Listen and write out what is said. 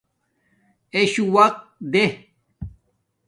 ایشو وقت دیں